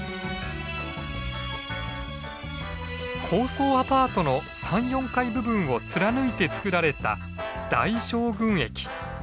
高層アパートの３４階部分を貫いて造られた大将軍駅。